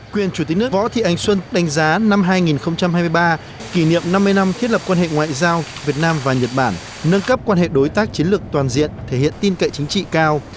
quyền chủ tịch nước võ thị ánh xuân đánh giá năm hai nghìn hai mươi ba kỷ niệm năm mươi năm thiết lập quan hệ ngoại giao việt nam và nhật bản nâng cấp quan hệ đối tác chiến lược toàn diện thể hiện tin cậy chính trị cao